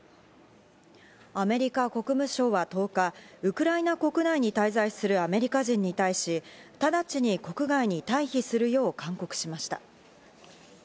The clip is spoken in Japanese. アメリカ国務省は１０日、ウクライナ国内に滞在するアメリカ人に対し、直ちに国外に退避するよう勧告しました。